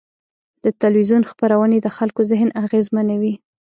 د تلویزیون خپرونې د خلکو ذهن اغېزمنوي.